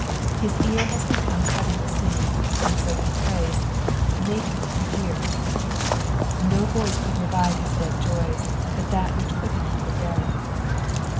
His ear has become heavy with sinning, and so he prays, " Hake me to hear." Ko voice could revive his dead joys but that which quickeneth the dead.